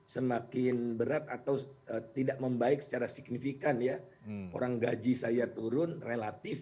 semakin berat atau tidak membaik secara signifikan ya orang gaji saya turun relatif